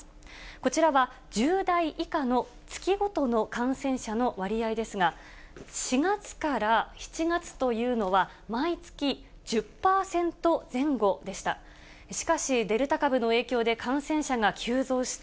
こちらは１０代以下の月ごとの感染者の割合ですが、４月から７月というのは、毎月１０％前後でした。